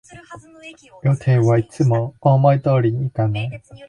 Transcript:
予定はいつも思い通りにいかない